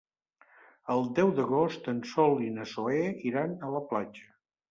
El deu d'agost en Sol i na Zoè iran a la platja.